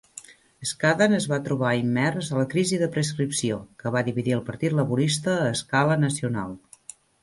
Scaddan es va trobar immers a la crisi de prescripció, que va dividir el Partit Laborista a escala nacional.